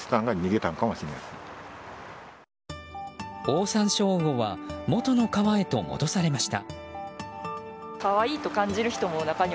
オオサンショウウオはもとの川へと戻されました。